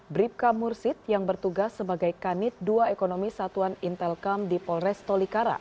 bribka mursid yang bertugas sebagai kanit dua ekonomi satuan intelkam di polres tolikara